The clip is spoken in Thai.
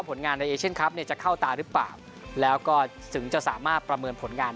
ผลงานในเอเชียนคลับเนี่ยจะเข้าตาหรือเปล่าแล้วก็ถึงจะสามารถประเมินผลงาน